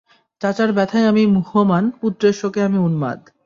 চাচার ব্যথায় আমি মুহ্যমান, পুত্রের শোকে আমি উন্মাদ।